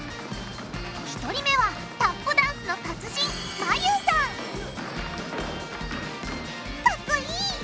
１人目はタップダンスの達人ＭＡＹＵさんかっこいい！